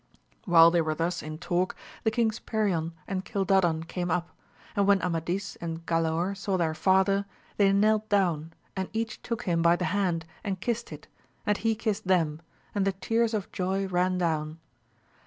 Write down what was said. While they were thus in talk the Kings Perion and Cildadan came up, and when Amadis and Galaor saw their father they knelt down and each took him by the hand and kissed it, and he kissed them, and the tears of joy ran down.